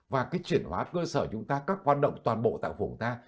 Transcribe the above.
và cái chuyển hóa cơ sở chúng ta các hoạt động toàn bộ tại phủ ta